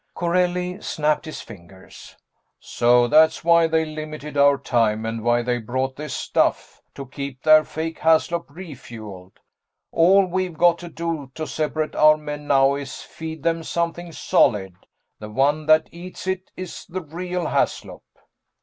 Corelli snapped his fingers. "So that's why they limited our time, and why they brought this stuff to keep their fake Haslop refueled! All we've got to do to separate our men now is feed them something solid. The one that eats it is the real Haslop."